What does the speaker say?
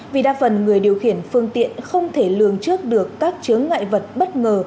vì đa phần người điều khiển phương tiện không thể lường trước được các chướng ngại vật bất ngờ